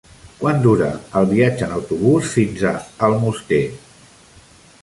Quant dura el viatge en autobús fins a Almoster?